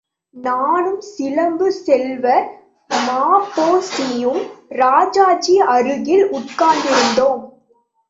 நானும் சிலம்புச் செல்வர் ம.பொ.சியும் ராஜாஜி அருகில் உட்கார்ந்திருந்தோம்.